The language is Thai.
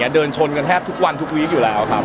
เดินชนกันแทบทุกวันทุกวีคอยู่แล้วครับ